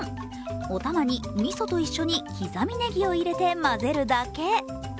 お玉にみそと一緒に刻みねぎを入れて混ぜるだけ。